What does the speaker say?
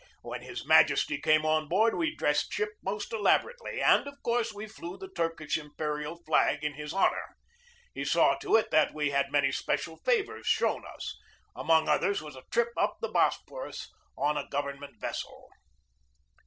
When his Majesty came on board we dressed ship most elaborately, and of course we flew the Turkish imperial flag in his honor. He saw to it that we had many special favors shown us. Among others was a trip up the Bosphorus on a government vessel.